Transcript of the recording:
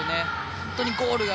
本当にゴールが